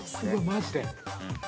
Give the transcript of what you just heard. ◆マジで？